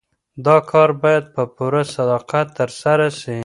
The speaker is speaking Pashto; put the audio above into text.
دا کار باید په پوره صداقت ترسره سي.